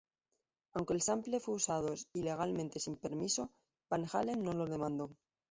Aunque el sample fue usado ilegalmente sin permiso, Van Halen no lo demandó.